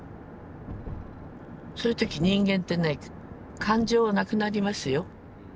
そういう時人間ってね感情なくなりますよ。